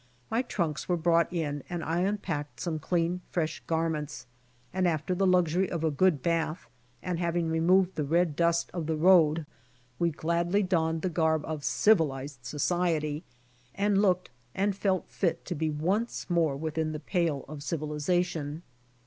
My trunks were brought in and I unpacked some clean, fresh garments and after the luxury of a good bath and having removed the red dust of the road we gladly donned the garb of civilized society, and looked and felt fit to be once more within the pale of civilization.